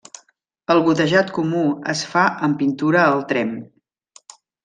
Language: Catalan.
El gotejat comú es fa amb pintura al tremp.